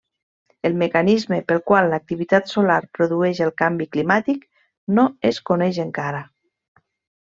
El mecanisme pel qual l'activitat solar produïx el canvi climàtic no es coneix encara.